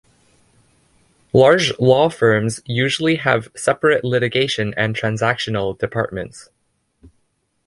Large law firms usually have separate litigation and transactional departments.